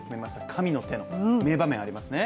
神の手の名場面ありますね